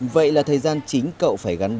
vậy là thời gian chính cậu phải gắn bụng